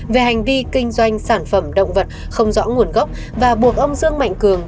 về hành vi kinh doanh sản phẩm động vật không rõ nguồn gốc và buộc ông dương mạnh cường